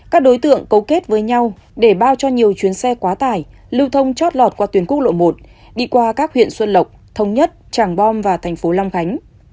các đối tượng cấu kết với nhau để bao cho nhiều chuyến xe quá tải lưu thông chót lọt qua tuyến quốc lộ một đi qua các huyện xuân lộc thông nhất tràng bom và thành phố long khánh